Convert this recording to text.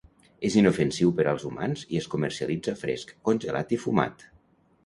És inofensiu per als humans i es comercialitza fresc, congelat i fumat.